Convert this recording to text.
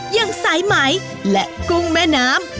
อย่างสายไหมและกุ้งแม่น้ำ